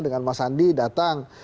dengan mas andi datang